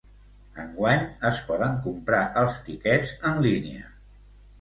Enguany es poden comprar els tiquets en línia.